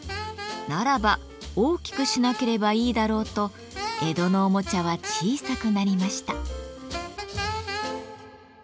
ならば大きくしなければいいだろうと江戸のおもちゃは小さくなりました。